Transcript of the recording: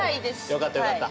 よかったよかった。